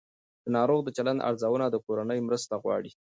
د ناروغ د چلند ارزونه د کورنۍ مرسته غواړي.